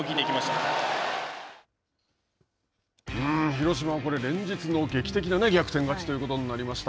広島はこれ、連日の劇的な逆転勝ちということになりました。